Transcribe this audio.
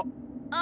あ。